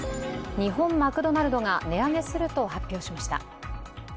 日本マクドナルドが値上げすると発表しました。